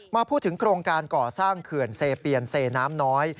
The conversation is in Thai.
มาพูดถึงโครงการก่อสร้างเขื่อนเซเปียนเซน้ำน้อย